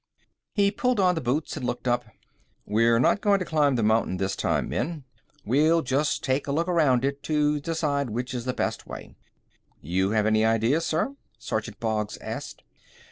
He pulled on the boots and looked up. "We're not going to climb the mountain this time, men. We'll just take a look around it to decide which is the best way." "You have any ideas, sir?" Sergeant Boggs asked.